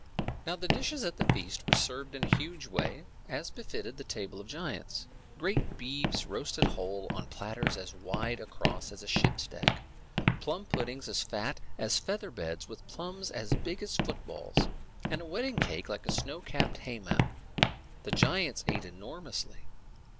Now the dishes at the feast were served in a huge way, as befitted the table of giants: great beeves roasted whole, on platters as wide across as a ship's deck; plum puddings as fat as feather beds, with plums as big as footballs; and a wedding cake like a snow capped haymow. The giants ate enormously.